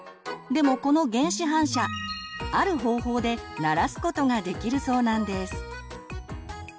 でもこの原始反射ある方法で慣らすことができるそうなんです。